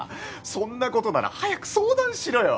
そんなことなら早く相談しろよ。